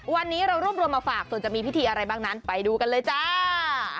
วันนี้เรารวบรวมมาฝากส่วนจะมีพิธีอะไรบ้างนั้นไปดูกันเลยจ้า